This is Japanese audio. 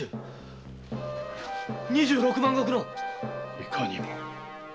いかにも。